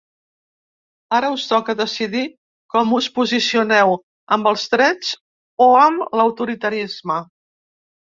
Ara us toca decidir com us posicioneu, amb els drets o amb l'autoritarisme.